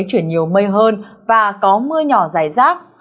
chuyển nhiều mây hơn và có mưa nhỏ dài rác